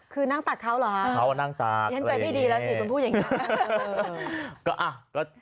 คือนั่งตักเขาเหรอฮะเพราะเขานั่งตักอย่างนี้เพราะฉะนั้นใจที่ดีแล้วสิคุณพูดอย่างนี้